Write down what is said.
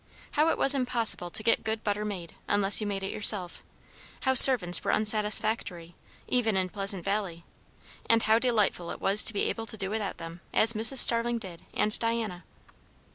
How it was impossible to get good butter made, unless you made it yourself. How servants were unsatisfactory, even in Pleasant Valley; and how delightful it was to be able to do without them, as Mrs. Starling did and Diana.